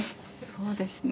「そうですね。